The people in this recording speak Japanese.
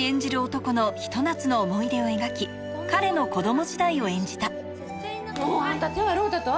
男のひと夏の思い出を描き彼の子供時代を演じたもうあんた手洗うたと？